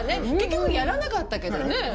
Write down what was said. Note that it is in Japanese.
結局やらなかったけどね。